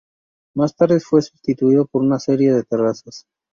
Más tarde fue sustituido por una serie de terrazas.